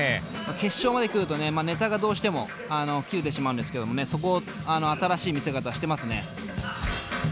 決勝まで来るとネタがどうしても切れてしまうんですけどもそこを新しい見せ方してますね。